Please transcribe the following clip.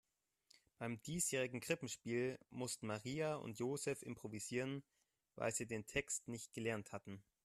Beim diesjährigen Krippenspiel mussten Maria und Joseph improvisieren, weil sie den Text nicht gelernt hatten.